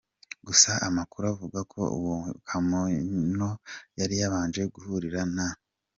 Gusa amakuru avuga ko uwo Kamono yari yabanje guhurira na